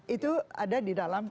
itu ada di dalam